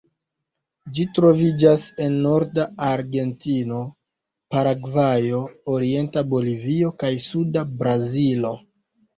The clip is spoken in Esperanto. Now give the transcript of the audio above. Ĝi troviĝas en norda Argentino, Paragvajo, orienta Bolivio, kaj suda Brazilo.